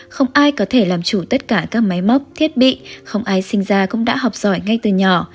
không ai có thể làm chủ tất cả các máy móc thiết bị không ai sinh ra cũng đã học giỏi ngay từ nhỏ